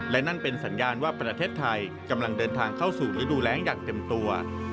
และนั่นเป็นสัญญาณว่าประเทศไทยกำลังเดินทางเข้าสู่ฤดูแรงอย่างเต็มตัว